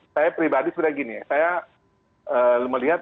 saya pribadi sebenarnya gini